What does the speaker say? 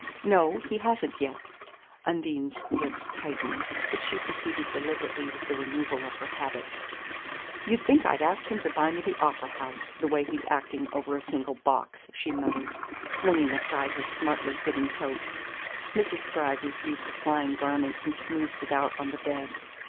"No, he hasn't yet." Undine's lips tightened, but she proceeded deliberately with the removal of her habit. "You'd think I'd asked him to buy me the Opera House, the way he's acting over a single box," she muttered, flinging aside her smartly fitting coat. Mrs. Spragg received the flying garment and smoothed it out on the bed.